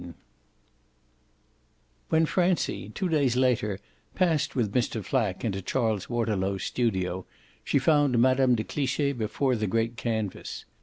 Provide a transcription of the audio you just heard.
X When Francie, two days later, passed with Mr. Flack into Charles Waterlow's studio she found Mme. de Cliche before the great canvas.